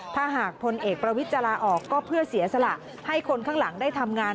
ถ้าหากพลเอกประวิทย์จะลาออกก็เพื่อเสียสละให้คนข้างหลังได้ทำงาน